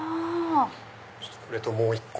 これともう１個。